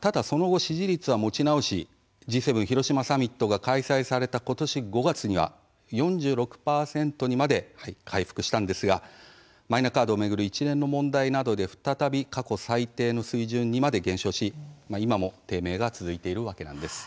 ただ、その後、支持率は持ち直しＧ７広島サミットが開催された今年５月には４６％にまで回復したんですがマイナカードを巡る一連の問題などで、再び過去最低の水準にまで減少し今も、低迷が続いているわけなんです。